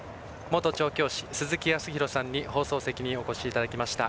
元調教師鈴木康弘さんに放送席にお越しいただきました。